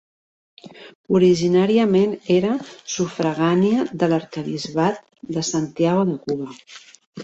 Originàriament era sufragània de l'arquebisbat de Santiago de Cuba.